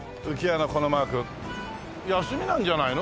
休みなんじゃないの？